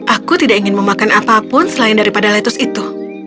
aku tidak ingin memakan apapun selain daripada lettuce itu